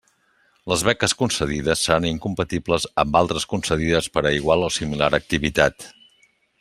Les beques concedides seran incompatibles amb altres concedides per a igual o similar activitat.